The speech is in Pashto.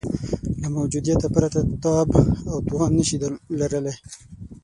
له موجودیته پرته تاب او توان نه شي لرلای.